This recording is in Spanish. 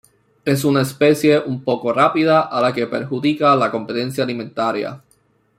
Es una especie un poco rápida a la que perjudica la competencia alimentaria.